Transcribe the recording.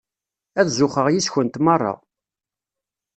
Ad zuxxeɣ yess-kent merra.